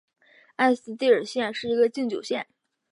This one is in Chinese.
埃斯蒂尔县是一个禁酒县。